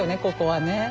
ここはね。